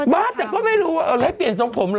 บ้านแต่ก็ไม่รู้ว่าให้เปลี่ยนทรงผมเหรอ